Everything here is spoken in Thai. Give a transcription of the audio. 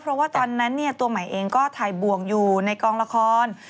เพราะว่าตอนนั้นตัวใหม่เองก็ถ่ายบวกอยู่ในกองละคร